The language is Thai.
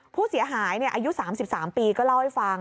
ผู้เสียหายอายุ๓๓ปีก็เล่าให้ฟัง